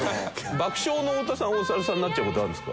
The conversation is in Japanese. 爆笑の太田さんはお猿さんになっちゃう事あるんですか？